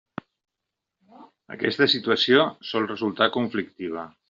Aquesta situació sol resultar conflictiva.